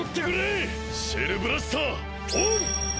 シェルブラスターオン！